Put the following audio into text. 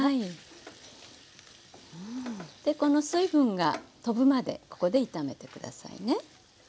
この水分が飛ぶまでここで炒めて下さいね。